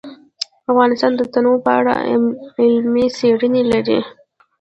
افغانستان د تنوع په اړه علمي څېړنې لري.